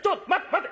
待て！